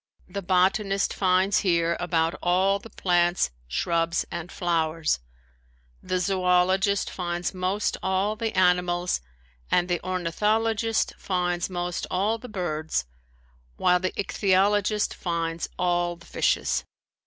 The botanist finds here about all the plants, shrubs and flowers; the zoologist finds most all the animals and the ornithologist finds most all the birds, while the ichthyologist finds all the fishes.